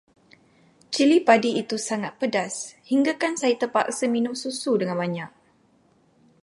Cili padi itu sangat pedas, hinggakan saya terpaksa minum susu dengan banyak.